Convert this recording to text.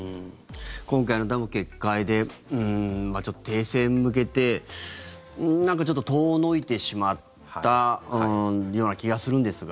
今回のダム決壊でちょっと停戦に向けてなんか、ちょっと遠のいてしまったような気がするんですが。